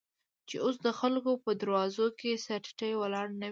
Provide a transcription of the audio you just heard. چې اوس دخلکو په دروازو، کې سر تيټى ولاړ نه وې.